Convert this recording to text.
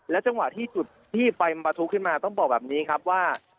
จังหวะที่จุดที่ไฟมันประทุขึ้นมาต้องบอกแบบนี้ครับว่า